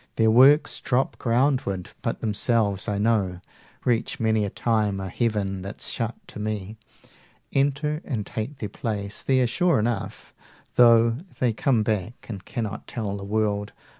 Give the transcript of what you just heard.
Their works drop groundward, but themselves, I know, Reach many a time a heaven that's shut to me, Enter and take their place there sure enough, 85 Though they come back and cannot tell the world.